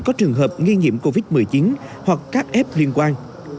có trường hợp nghi nhiễm covid một mươi chín hoặc các f liên quan